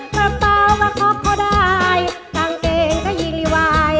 ปะปะว่าคอกเขาได้ต่างเกงก็ยิงริวาย